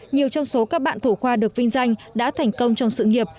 nhiều trong số các bạn thủ khoa được vinh danh đã thành công trong sự nghiệp